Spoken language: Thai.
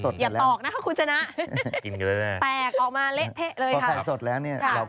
ถูกไหม